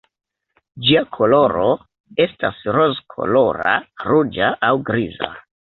Ĝia koloro estas rozkolora, ruĝa aŭ griza.